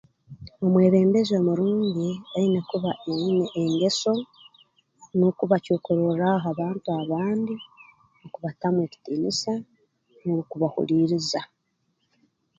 Omwebembezi omurungi aine kuba aine engeso n'okuba kyokurorraaho ha bantu abandi kubatamu ekitiinisa n'okubahuliiriza